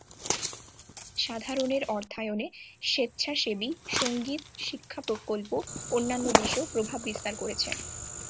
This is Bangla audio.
সাধারণের অর্থায়নে স্বেচ্ছাসেবী সঙ্গীত শিক্ষা প্রকল্প অন্যান্য দেশেও প্রভাববিস্তার করেছে।